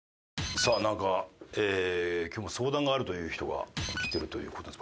さあなんかえー今日は相談があるという人が来てるという事です